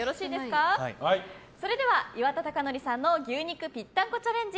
それでは岩田剛典さんの牛肉ぴったんこチャレンジ